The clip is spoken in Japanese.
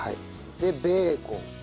でベーコン。